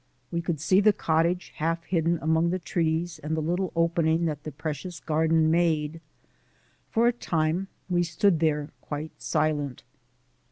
We could see the cottage half hidden among the trees, and the little opening that the precious garden made. For a time we stood there quite silent.